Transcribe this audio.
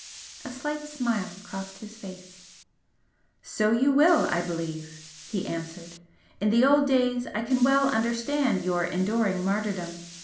A slight smile crossed his face. "So you will, I believe!" he answered "In the old days I can well understand your enduring martyrdom!